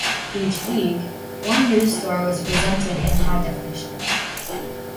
Each week, one news story was presented in high-definition.